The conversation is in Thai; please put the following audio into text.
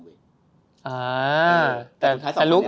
หลุกสูงหลักกัน